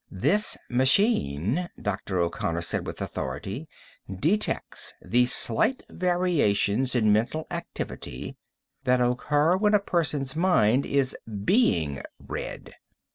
"This machine," Dr. O'Connor said with authority, "detects the slight variations in mental activity that occur when a person's mind is being read."